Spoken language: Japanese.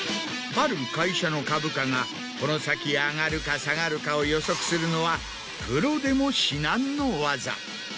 ある会社の株価がこの先上がるか下がるかを予測するのはプロでも至難の技。